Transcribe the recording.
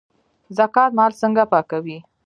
زکات مال څنګه پاکوي؟